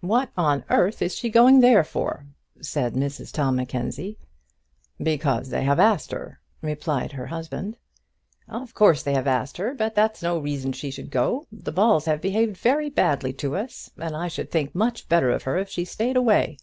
"What on earth is she going there for?" said Mrs Tom Mackenzie. "Because they have asked her," replied the husband. "Of course they have asked her; but that's no reason she should go. The Balls have behaved very badly to us, and I should think much better of her if she stayed away."